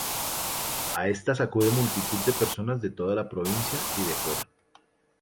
A estas acude multitud de personas de toda la provincia y de fuera.